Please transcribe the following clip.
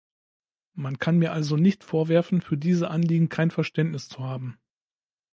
Man kann mir also nicht vorwerfen, für diese Anliegen kein Verständnis zu haben.